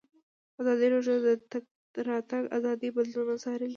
ازادي راډیو د د تګ راتګ ازادي بدلونونه څارلي.